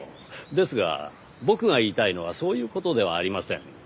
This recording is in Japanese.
ですが僕が言いたいのはそういう事ではありません。